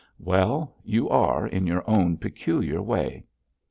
'Well, you are, in your own peculiar way.'